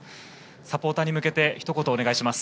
サポーターに向けて一言お願いします。